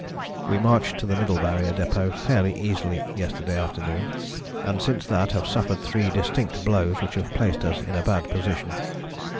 We marched to the [Middle Barrier] depôt fairly easily yesterday afternoon, and since that have suffered three distinct blows which have placed us in a bad position.